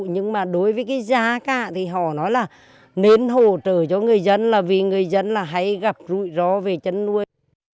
nhưng mà đối với cái giá ca thì họ nói là nên hỗ trợ cho người dân là vì người dân là hãy gặp rụi rõ về chăn nuôi